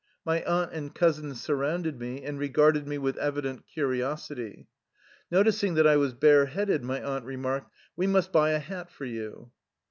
My aunt and cousins surrounded me and re garded me with evident curiosity. Noticing that I was bareheaded, my aunt remarked: " We must buy a hat for you."